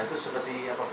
itu seperti apa